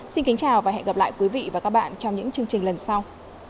xin kính chào và hẹn gặp lại quý vị và các bạn trong những chương trình lần sau